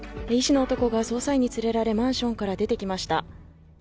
医師の男が捜査員に連れられ、マンションから出てきました。